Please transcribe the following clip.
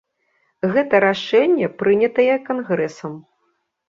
Гэта рашэнне прынятае кангрэсам.